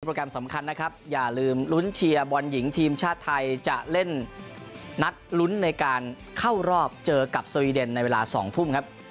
แกรมสำคัญนะครับอย่าลืมลุ้นเชียร์บอลหญิงทีมชาติไทยจะเล่นนัดลุ้นในการเข้ารอบเจอกับสวีเดนในเวลา๒ทุ่มครับ